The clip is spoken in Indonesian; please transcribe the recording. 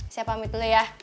saya pamit dulu ya